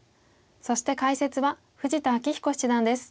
そして解説は富士田明彦七段です。